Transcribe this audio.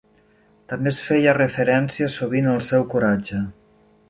També es feia referència sovint al seu coratge.